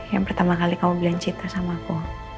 yang pertama kali kamu bilang cita sama aku